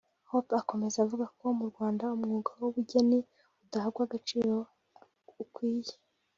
Hope akomeza avuga ko mu Rwanda umwuga w’ubugeni udahabwa agaciro ukwiye